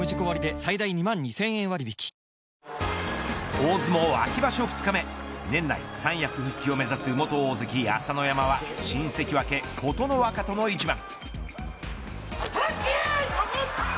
大相撲秋場所二日目年内、三役復帰を目指す元大関朝乃山は新関脇、琴ノ若との一番。